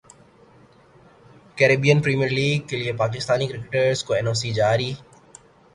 Caribbean premiere league کیلئے Pakistani cricketers کو N O C جاری